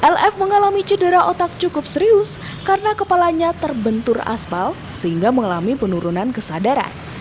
lf mengalami cedera otak cukup serius karena kepalanya terbentur aspal sehingga mengalami penurunan kesadaran